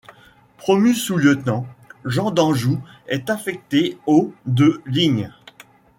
Promu sous-lieutenant, Jean Danjou est affecté au de Ligne.